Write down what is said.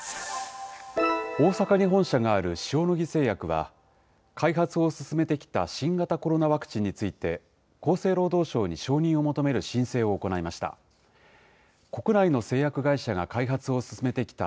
大阪に本社がある塩野義製薬は、開発を進めてきた新型コロナワクチンについて、厚生労働省に承認を求める申請を行いました。